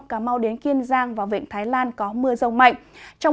cà mau đến kiên giang và vịnh thái lan có mưa rông mạnh